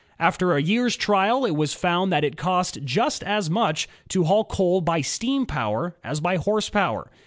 After a year's trial, it was found that it cost just as much to haul coal by steam power as by horse power.